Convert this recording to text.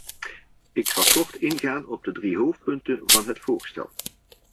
Ik zal kort ingaan op de drie hoofdpunten van het voorstel.